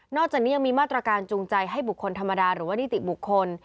อกจากนี้ยังมีมาตรการจูงใจให้บุคคลธรรมดาหรือว่านิติบุคคล